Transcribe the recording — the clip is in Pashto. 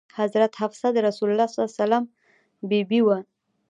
حضرت حفصه د رسول الله بي بي وه.